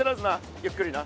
ゆっくりな。